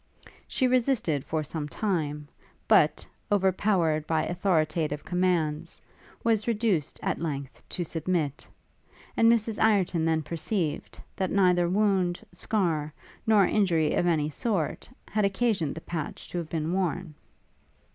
She resisted for some time, but, overpowered by authoritative commands, was reduced, at length, to submit; and Mrs Ireton then perceived, that neither wound, scar, nor injury of any sort, had occasioned the patch to have been worn.